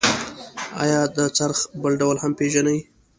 آیا د څرخ بل ډول هم پیژنئ؟